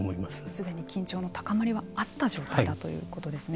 すでに緊張の高まりはあった状態だということですね。